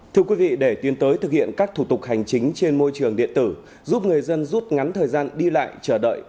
thưa quý vị để tiến tới thực hiện các thủ tục hành chính trên môi trường điện tử giúp người dân rút ngắn thời gian đi lại chờ đợi